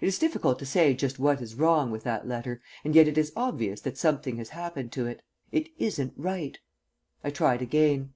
It is difficult to say just what is wrong with that letter, and yet it is obvious that something has happened to it. It isn't right. I tried again.